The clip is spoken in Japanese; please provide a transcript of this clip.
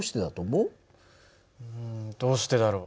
うんどうしてだろう？